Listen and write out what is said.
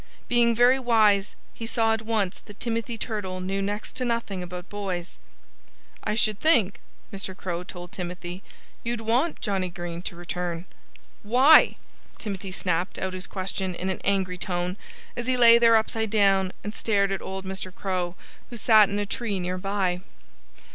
Being very wise, he saw at once that Timothy Turtle knew next to nothing about boys. "I should think," Mr. Crow told Timothy, "you'd want Johnnie Green to return." "Why?" Timothy snapped out his question in an angry tone, as he lay there upside down and stared at old Mr. Crow, who sat in a tree near by.